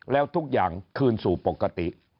แล้วทุกอย่างคืนสู่ปกติ